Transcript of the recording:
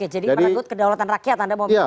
jadi pada waktu kedaulatan rakyat